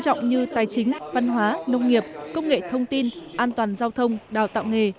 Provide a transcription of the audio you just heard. trọng như tài chính văn hóa nông nghiệp công nghệ thông tin an toàn giao thông đào tạo nghề